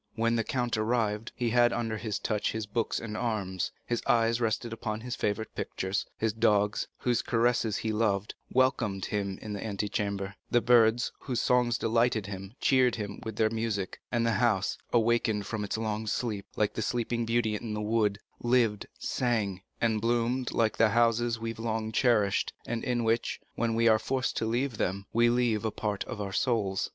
When the count arrived, he had under his touch his books and arms, his eyes rested upon his favorite pictures; his dogs, whose caresses he loved, welcomed him in the antechamber; the birds, whose songs delighted him, cheered him with their music; and the house, awakened from its long sleep, like the sleeping beauty in the wood, lived, sang, and bloomed like the houses we have long cherished, and in which, when we are forced to leave them, we leave a part of our souls.